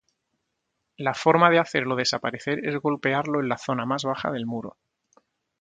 La forma de hacerlo desaparecer es golpearlo en la zona más baja del muro.